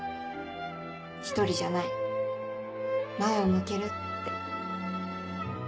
一人じゃない前を向ける」って。